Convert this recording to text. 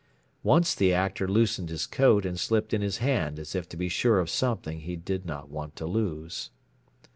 Once the Actor loosened his coat and slipped in his hand as if to be sure of something he did not want to lose.